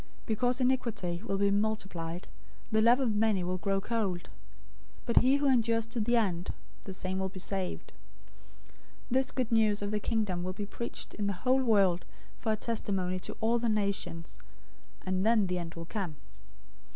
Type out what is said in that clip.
024:012 Because iniquity will be multiplied, the love of many will grow cold. 024:013 But he who endures to the end, the same will be saved. 024:014 This Good News of the Kingdom will be preached in the whole world for a testimony to all the nations, and then the end will come.